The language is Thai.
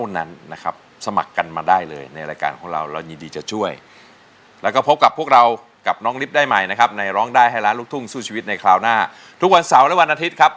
ในคราวหน้าทุกวันเสาร์และวันอาทิตย์ครับ